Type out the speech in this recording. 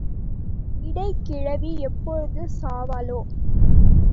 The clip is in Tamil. இடைக் கிழவி எப்போது சாவாளோ?